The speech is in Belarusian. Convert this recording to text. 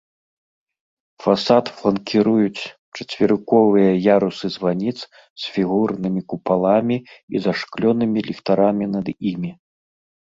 Фасад фланкіруюць чацверыковыя ярусы званіц з фігурнымі купаламі і зашклёнымі ліхтарамі над імі.